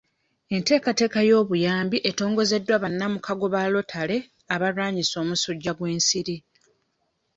Enteekateeka y'obuyambi etongozeddwa ne bannamukago ba lotale abalwanyisa omusujja gw'ensiri.